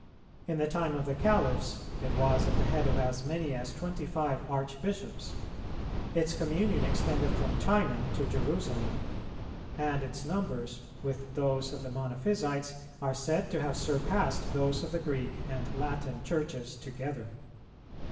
In the time of the Caliphs, it was at the head of as many as twenty five Archbishops; its Communion extended from China to Jerusalem; and its numbers, with those of the Monophysites, are said to have surpassed those of the Greek and Latin Churches together.